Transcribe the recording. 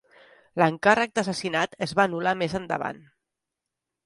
L'encàrrec d'assassinat es va anul·lar més endavant.